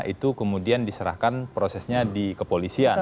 itu kemudian diserahkan prosesnya di kepolisian